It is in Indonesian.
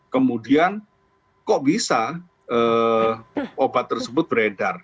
kemudian kok bisa obat tersebut beredar